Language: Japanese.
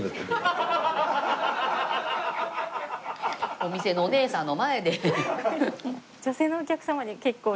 お店のお姉さんの前で。